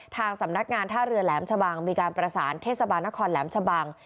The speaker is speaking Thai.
ทางสำนักงานท่าเรือแหลมชะบังมีการประสานเทศบาลนครแหลมชะบัง